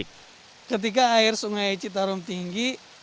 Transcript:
ketika air sungai citarum tinggi